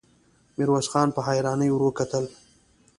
ميرويس خان په حيرانۍ ور وکتل.